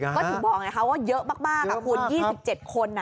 ก็ถึงบอกไงคะว่าเยอะมากคุณ๒๗คน